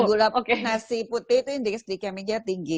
gula nasi putih itu indeks glikemiknya tinggi